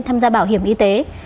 tham gia bảo hiểm y tế